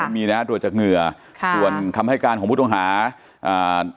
มีนะตรวจจากเหงื่อค่ะส่วนคำให้การของผู้ต้องหาอ่า